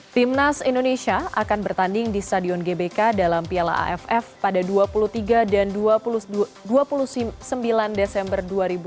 timnas indonesia akan bertanding di stadion gbk dalam piala aff pada dua puluh tiga dan dua puluh sembilan desember dua ribu dua puluh